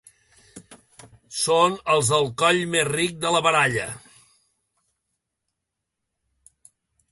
Són els del coll més ric de la baralla.